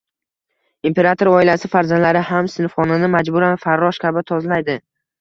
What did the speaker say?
Imperator oilasi farzandlari ham sinfxonani majburan farrosh kabi tozalaydi